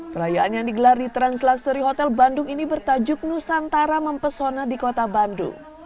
perayaan yang digelar di transluxury hotel bandung ini bertajuk nusantara mempesona di kota bandung